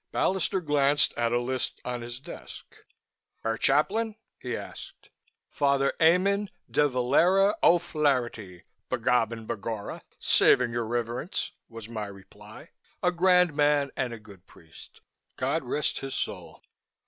Ballister glanced at a list on his desk. "Her chaplain?" he asked. "Father Eamon Devalera O'Flaherty, begob and begorra, savin' your riverence," was my reply. "A grand man and a good priest. God rest his soul."